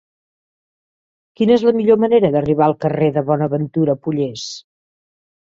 Quina és la millor manera d'arribar al carrer de Bonaventura Pollés?